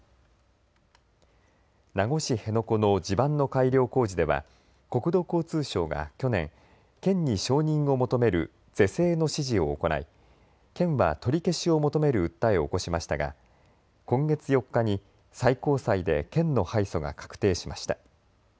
名護市辺野古の地盤の改良工事では国土交通省が去年、県に承認を求める是正の指示を行い県は取り消しを求める訴えを起こしましたが今月４日に最高裁で県の敗訴が確定しました。